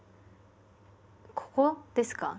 ここですか？